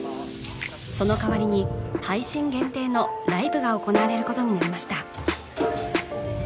その代わりに配信限定のライブが行われることになりました